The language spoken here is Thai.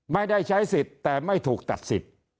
ไม่ได้ใช้สิทธิ์แต่ไม่ถูกตัดสิทธิ์